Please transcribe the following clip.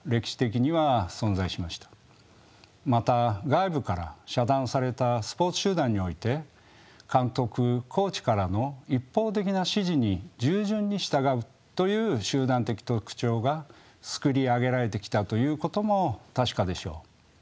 また外部から遮断されたスポーツ集団において監督・コーチからの一方的な指示に従順に従うという集団的特徴が作り上げられてきたということも確かでしょう。